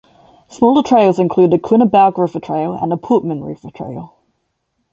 Smaller trails include the Quinebaug River Trail and the Putman River Trail.